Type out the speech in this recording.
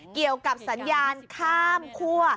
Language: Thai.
เกี่ยวกับสัญญาณข้ามคั่ว